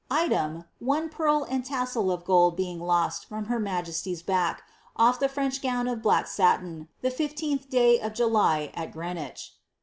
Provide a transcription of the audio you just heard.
Item, One pearl and a tassel of gold being lost from her m^esty's back, olf the French gown of black satin, the I5tli day of Jolv, at Greenwich.